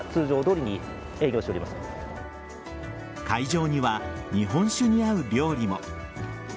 会場には日本酒に合う料理も。